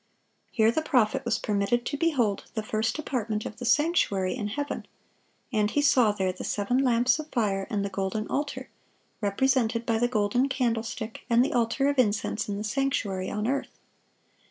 (675) Here the prophet was permitted to behold the first apartment of the sanctuary in heaven; and he saw there the "seven lamps of fire" and the "golden altar," represented by the golden candlestick and the altar of incense in the sanctuary on earth.